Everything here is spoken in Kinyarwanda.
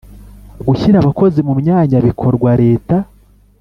Gushyira Abakozi mu myanya bikorwa leta.